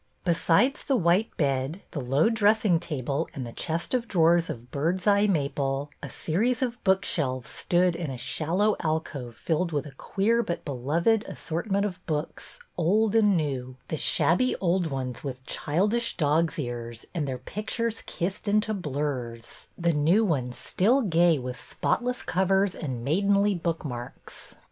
Besides the white bed, the low dressing table, and the chest of drawers of bird's eye maple, a series of bookshelves stood in a shallow alcove filled with a queer but beloved assortment of books old and new, the shabby old ones with childish dog's ears and their pictures kissed into blurs, the new ones still gay with spotless covers and maidenly bookmarks.